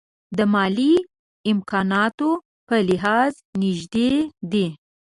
د مالي امکاناتو په لحاظ نژدې دي.